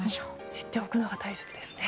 知っておくのが大切ですね。